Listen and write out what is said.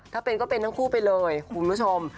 ถ้าเป็นก็เป็นทั้งคู่ไปเลยคุณผู้ชม